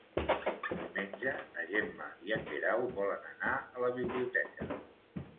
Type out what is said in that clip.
Diumenge na Gemma i en Guerau volen anar a la biblioteca.